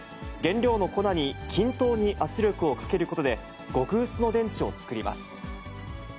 原料の粉に均等に圧力をかけることで、極薄の電池を作ります。